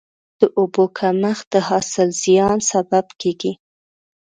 د اوبو کمښت د حاصل زیان سبب کېږي.